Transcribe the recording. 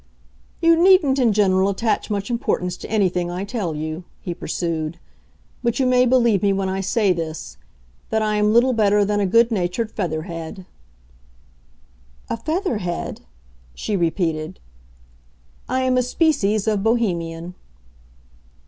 "You needn't in general attach much importance to anything I tell you," he pursued; "but you may believe me when I say this,—that I am little better than a good natured feather head." "A feather head?" she repeated. "I am a species of Bohemian."